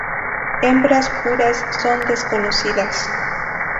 Hembras puras son desconocidas.